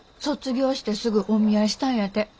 卒業してすぐお見合いしたんやて。